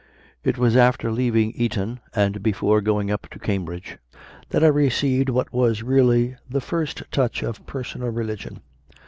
4. It was after leaving Eton, and before going up to Cambridge, that I received what was really the first touch of personal religion.